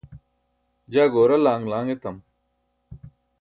jaa goora laṅ laṅ etam